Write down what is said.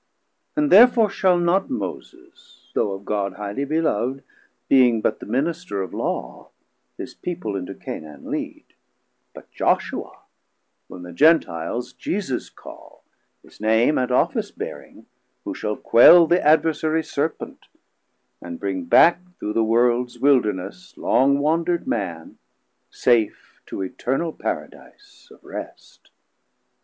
And therefore shall not Moses, though of God Highly belov'd, being but the Minister Of Law, his people into Canaan lead; But Joshua whom the Gentiles Jesus call, His Name and Office bearing, who shall quell 310 The adversarie Serpent, and bring back Through the worlds wilderness long wanderd man Safe to eternal Paradise of rest.